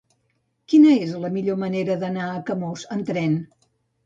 Quina és la millor manera d'anar a Camós amb tren?